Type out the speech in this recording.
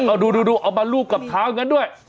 เอาดูเอามารูปกับเท้ากันด้วย